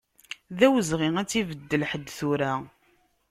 D awezɣi ad tt-ibeddel ḥedd tura.